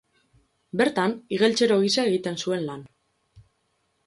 Bertan, igeltsero gisa egiten zuen lan.